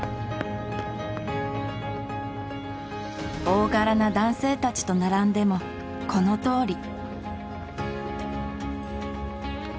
大柄な男性たちと並んでもこのとおり。